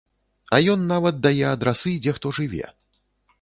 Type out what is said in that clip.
А ён нават дае адрасы, дзе хто жыве.